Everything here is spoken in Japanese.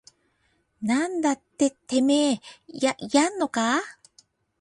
なんだててめぇややんのかぁ